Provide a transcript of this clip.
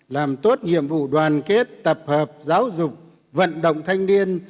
làm tốt nhiệm vụ đoàn kết tập hợp giáo dục vận động thanh niên